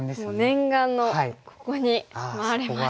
念願のここに回れましたね。